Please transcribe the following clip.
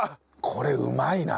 これうまいな。